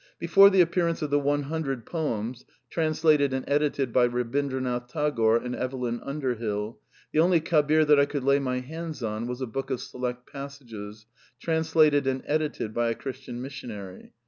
Before the appearance of the One Hundred Poems (translated and edited by Eabin dranath Tagore and Evelyn Underbill), the only Kabir that I could lay my hands on was a book of select passages, translated and edited by a Christian missionary.